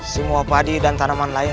semua padi dan tanaman lain